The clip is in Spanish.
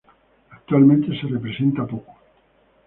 Actualmente se representa poco.